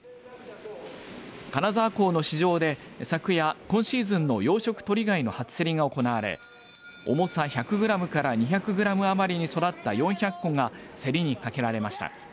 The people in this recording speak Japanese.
金沢港の市場で、昨夜今シーズンの養殖トリガイの初競りが行われ重さ１００グラムから２００グラム余りに育った４００個が競りにかけられました。